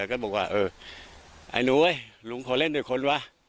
ก็บอกว่าเออไอ้หนูเอ้ยลุงขอเล่นด้วยคนวะ